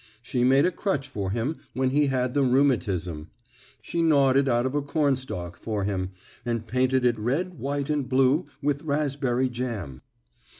She made a crutch for him, when he had the rheumatism. She gnawed it out of a cornstalk for him, and painted it red, white and blue with raspberry jam.